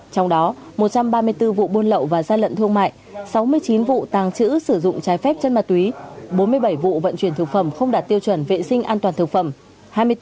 trong đó một trăm ba mươi bốn vụ buôn lậu và gian lận thương mại sáu mươi chín vụ tàng trữ sử dụng trái phép chân ma túy bốn mươi bảy vụ vận chuyển thực phẩm không đạt tiêu chuẩn vệ sinh an toàn thực phẩm